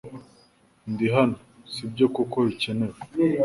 Ndi hano, sibyo kuko bikenewe